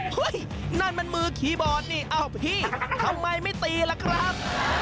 นั่นมันมือคีย์บอร์ดนี่อ้าวพี่ทำไมไม่ตีล่ะครับ